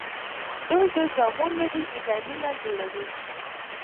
دوی د جامو نوي ډیزاینونه جوړوي.